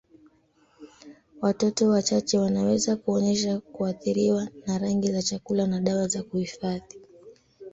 Watoto wachache wanaweza kuonyesha kuathiriwa na rangi za chakula na dawa za kuhifadhi.